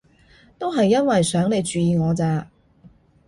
都係因為想你注意我咋